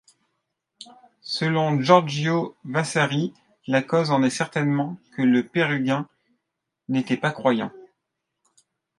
Selon Giorgio Vasari, la cause en est certainement que le Pérugin n'était pas croyant.